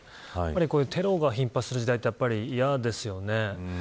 こういうテロが頻発する時代って嫌ですよね。